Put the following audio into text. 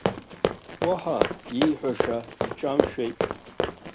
Уаҳа ииҳәаша иҿамшәеит.